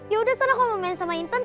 ya udah sana aku mau main sama intan